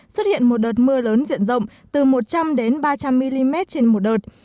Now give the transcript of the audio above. xuất hiện một đợt mưa lớn diện rộng từ một trăm linh đến ba trăm linh mm trên một đợt